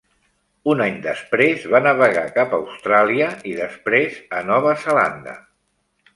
Un any després va navegar cap a Austràlia i després a Nova Zelanda.